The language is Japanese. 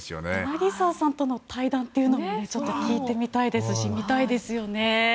柳澤さんとの対談というのもちょっと聞いてみたいですし見たいですよね。